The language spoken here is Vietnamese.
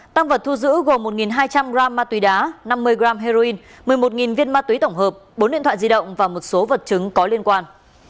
tăng vật thu giữ gồm một hai trăm linh gram ma túy đá năm mươi g heroin một mươi một viên ma túy tổng hợp bốn điện thoại di động và một số vật chứng có liên quan